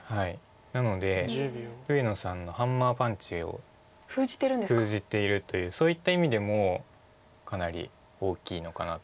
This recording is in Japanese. なので上野さんのハンマーパンチを封じているというそういった意味でもかなり大きいのかなと。